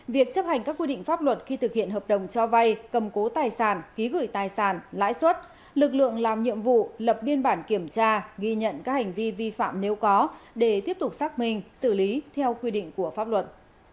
việc chấp hành các quy định pháp luật khi thực hiện hợp đồng cho vay cầm cố tài sản ký gửi tài sản lãi suất lực lượng làm nhiệm vụ lập biên bản kiểm tra ghi nhận các hành vi vi phạm nếu có để tiếp tục xác minh xử lý theo quy định của pháp luật